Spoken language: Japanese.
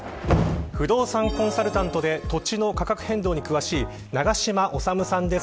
不動産コンサルタントで土地の価格変動に詳しい長嶋修さんです。